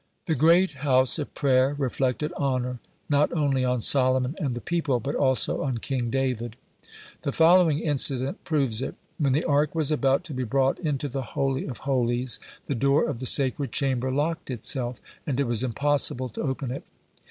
The great house of prayer reflected honor not only on Solomon and the people, but also on King David. The following incident proves it: When the Ark was about to be brought into the Holy of Holies, the door of the sacred chamber locked itself, and it was impossible to open it.